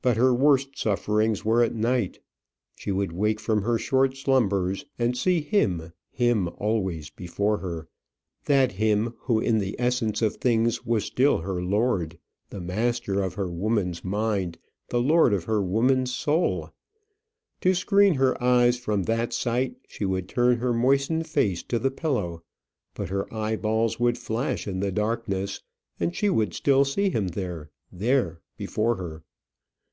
But her worst sufferings were at night. She would wake from her short slumbers, and see him, him always before her; that him who in the essence of things was still her lord, the master of her woman's mind, the lord of her woman's soul. To screen her eyes from that sight, she would turn her moistened face to the pillow; but her eyeballs would flash in the darkness, and she would still see him there, there before her.